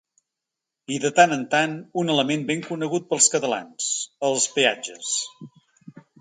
I de tant en tant, un element ben conegut pels catalans: els peatges.